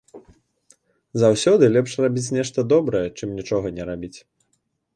Заўсёды лепш рабіць нешта добрае, чым нічога не рабіць.